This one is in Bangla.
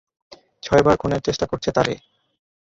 ছয়বার খুনের চেষ্টা করছে তারে।